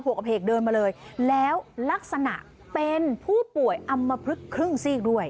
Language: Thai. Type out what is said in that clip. กระเพกเดินมาเลยแล้วลักษณะเป็นผู้ป่วยอำมพลึกครึ่งซีกด้วย